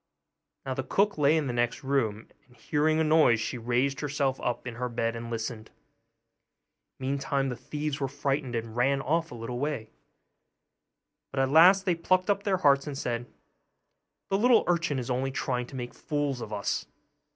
Now the cook lay in the next room; and hearing a noise she raised herself up in her bed and listened. Meantime the thieves were frightened, and ran off a little way; but at last they plucked up their hearts, and said, 'The little urchin is only trying to make fools of us.